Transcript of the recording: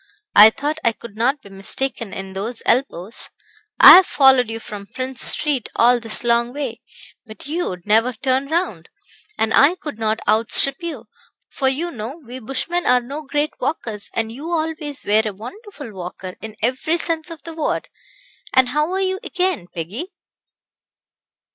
I thought I could not be mistaken in those elbows. I have followed you from Prince's Street all this long way, but you would never turn round, and I could not outstrip you, for you know we bushmen are no great walkers, and you always were a wonderful 'Walker' in every sense of the word. And how are you again, Peggy?"